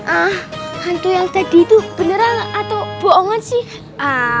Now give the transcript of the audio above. ah hantu yang tadi itu beneran atau bohongan sih